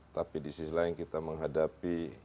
tapi di sisi lain kita menghadapi